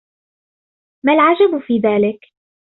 ما العجب في ذلك ؟